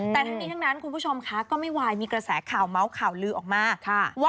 แต่ทั้งนี้ทั้งนั้นคุณผู้ชมคะก็ไม่วายมีกระแสข่าวเมาส์ข่าวลือออกมาว่า